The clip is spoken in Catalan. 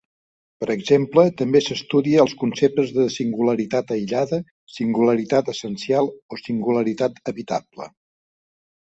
Per exemple, també s'estudia als conceptes de singularitat aïllada, singularitat essencial o singularitat evitable.